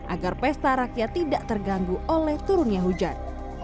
agar pesta rakyat tidak terganggu oleh turunnya hujan